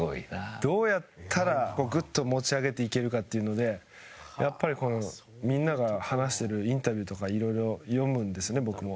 どうやったらグッと持ち上げていけるのかというのでやっぱりみんなが話しているインタビューとか色々読むんですね、僕も。